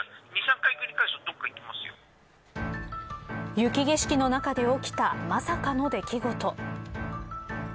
雪景色の中で起きたまさかの出来事。